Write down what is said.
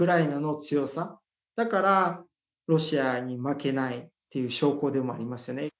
だからロシアに負けないっていう証拠でもありますよね。